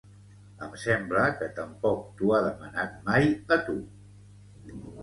Em sembla que tampoc t'ho ha demanat mai a tu